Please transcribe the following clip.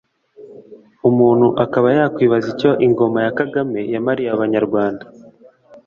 umuntu akaba yakwibaza icyo ingoma ya Kagame yamariye abanyarwanda